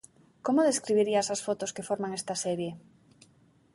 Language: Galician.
Como describirías as fotos que forman esta serie?